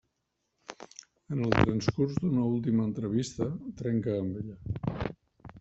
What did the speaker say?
En el transcurs d'una última entrevista, trenca amb ella.